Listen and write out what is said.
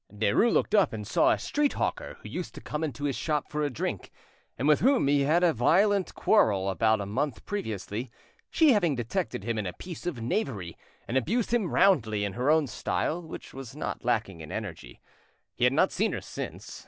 Derues looked up and saw a street hawker who used to come to his shop for a drink, and with whom he had had a violent quarrel about a month previously, she having detected him in a piece of knavery, and abused him roundly in her own style, which was not lacking in energy. He had not seen her since.